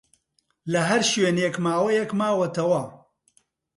لە ھەر شوێنێک ماوەیەک ماوەتەوە